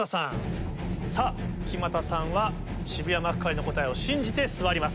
さぁ木全さんは渋谷幕張の答えを信じて座ります。